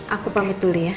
aku pamit dulu ya